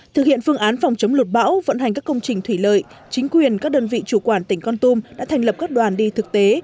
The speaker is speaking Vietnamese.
thực hiện phương án phòng chống lụt bão vận hành các công trình thủy lợi chính quyền các đơn vị chủ quản tỉnh con tum đã thành lập các đoàn đi thực tế